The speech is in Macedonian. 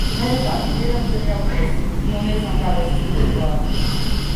Многу пати гледам земјотреси, но не знам каде се случуваат.